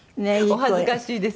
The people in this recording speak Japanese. お恥ずかしいです。